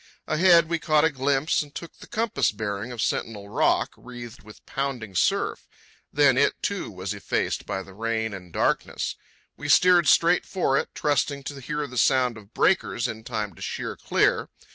Ahead, we caught a glimpse and took the compass bearing of Sentinel Rock, wreathed with pounding surf. Then it, too, was effaced by the rain and darkness. We steered straight for it, trusting to hear the sound of breakers in time to sheer clear.